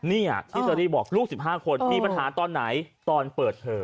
นี่ที่เชอรี่บอกลูก๑๕คนมีปัญหาตอนไหนตอนเปิดเทอม